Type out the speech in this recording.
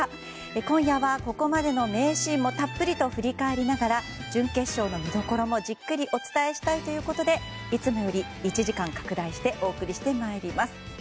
今夜はここまでの名シーンもたっぷり振り返りながら準決勝の見どころも、じっくりお伝えしたいということでいつもより１時間拡大してお送りしてまいります。